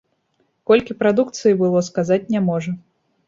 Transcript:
Колькі прадукцыі было, сказаць не можа.